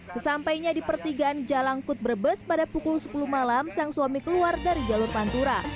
sesampainya di pertigaan jalangkut brebes pada pukul sepuluh malam sang suami keluar dari jalur pantura